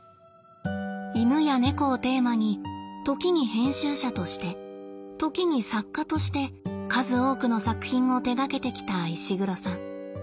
「犬」や「猫」をテーマに時に編集者として時に作家として数多くの作品を手がけてきた石黒さん。